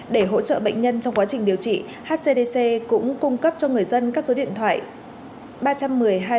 để hỗ trợ bệnh nhân trong quá trình điều trị hcdc cũng cung cấp cho người dân các số điện thoại